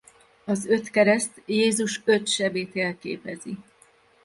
Az öt kereszt Jézus öt sebét jelképezi.